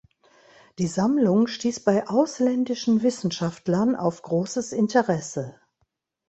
Die Sammlung stieß bei ausländischen Wissenschaftlern auf großes Interesse.